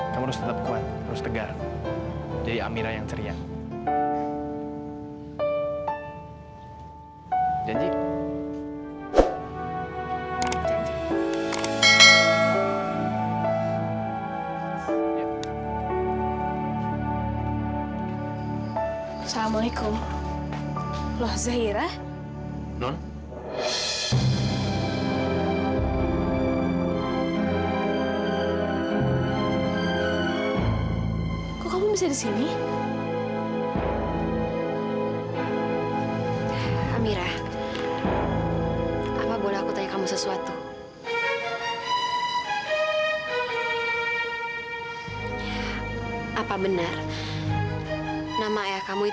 sampai jumpa di video selanjutnya